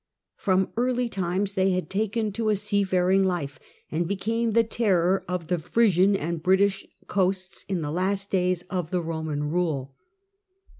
From early times they had taken to a seafaring life, and became the terror of the Frisian and British coasts in the last days of the Roman rule.